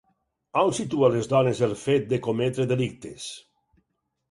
On situa les dones el fet de cometre delictes?